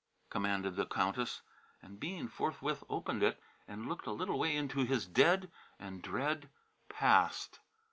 commanded the Countess. And Bean forthwith opened it and looked a little way into his dead and dread past.